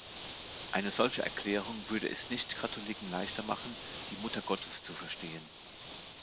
Eine solche Erklärung würde es Nicht-Katholiken leichter machen, die Muttergottes zu verstehen.